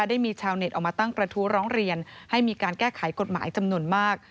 ได้มีชาวเน็ตออกมาตั้งกระทู้ร้องเรียนให้มีการแก้ไขกฎหมายจำนวนมาก